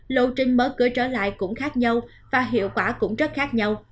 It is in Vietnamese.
lộ trình mở cửa trở lại cũng khác nhau và hiệu quả cũng rất khác nhau